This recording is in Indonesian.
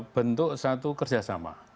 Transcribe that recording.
bentuk satu kerjasama